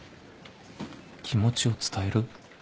気持ちを伝える？